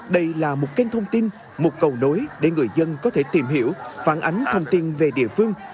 đây là một kênh thông tin một cầu nối để người dân có thể tìm hiểu phản ánh thông tin về địa phương